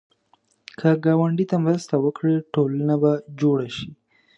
که ګاونډي ته مرسته وکړې، ټولنه به جوړه شي